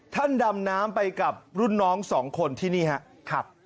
ดำน้ำไปกับรุ่นน้องสองคนที่นี่ครับ